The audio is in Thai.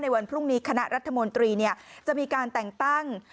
วันพรุ่งนี้คณะรัฐมนตรีจะมีการแต่งตั้ง